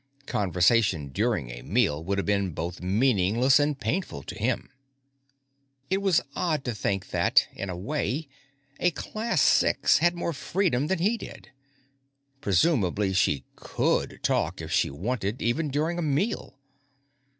Conversation during a meal would have been both meaningless and painful to him. It was odd to think that, in a way, a Class Six had more freedom than he did. Presumably, she could talk, if she wanted, even during a meal.